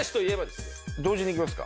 同時にいきますか？